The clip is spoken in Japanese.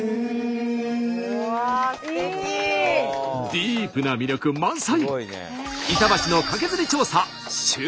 ディープな魅力満載！